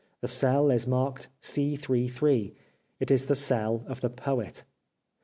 The cell is marked C.3.3. — it is the cell of the Poet !